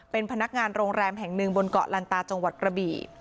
เป็นพนักงานโรงแรมแห่งหนึ่งบนเกาะลันตาจังหวัดกระบี่